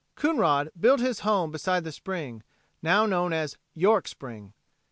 Coonrod built his home beside the spring, now known as "York Spring."